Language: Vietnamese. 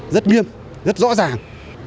rất nghiêm rất rõ ràng